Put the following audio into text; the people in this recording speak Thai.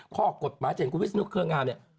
ข้อกฎหมายจะเห็นคุณวิศนุเครืองามเนี่ย